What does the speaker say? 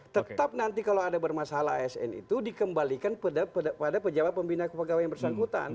tetap nanti kalau ada bermasalah asn itu dikembalikan pada pejabat pembina kepegawaian bersangkutan